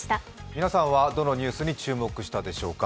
皆さんはどのニュースに注目したでしょうか。